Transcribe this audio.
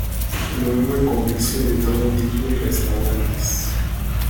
Luego el comercio de todo tipo y restaurantes.